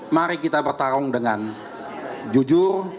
mari kita bertarung dengan jujur